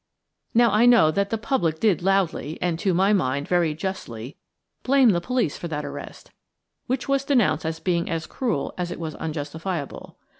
Now, I know that the public did loudly, and, to my mind, very justly, blame the police for that arrest, which was denounced as being as cruel as it was unjustifiable.